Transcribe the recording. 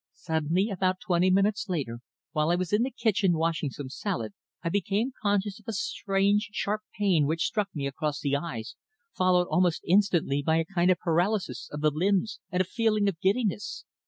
Suddenly, about twenty minutes later, while I was in the kitchen washing some salad, I became conscious of a strange, sharp pain which struck me across the eyes, followed almost instantly by a kind of paralysis of the limbs and a feeling of giddiness.